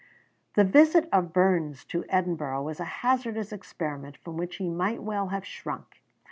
The visit of Burns to Edinburgh was a hazardous experiment from which he might well have shrunk.